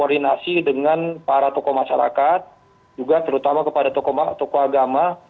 koordinasi dengan para tokoh masyarakat juga terutama kepada tokoh agama